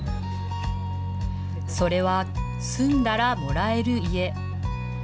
それは、住んだらもらえる家。